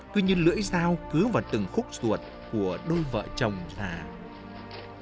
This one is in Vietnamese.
tuy nhiên lưỡi dao cứu vào từng khúc ruột của đứa con gái